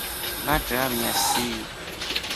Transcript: Ngatramia shi.